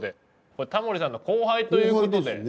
タモリさんの後輩という事で。